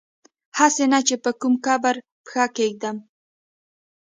هسي نه چي په کوم قبر پښه کیږدم